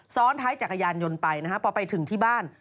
ซ้อนท้ายจักรยานยนต์ไปนะฮะพอไปถึงที่บ้าน